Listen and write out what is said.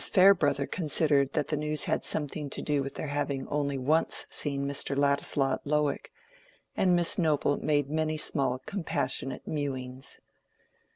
Farebrother considered that the news had something to do with their having only once seen Mr. Ladislaw at Lowick, and Miss Noble made many small compassionate mewings.